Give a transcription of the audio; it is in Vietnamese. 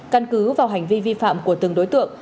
căn cứ vào hành vi vi phạm của từng đối tượng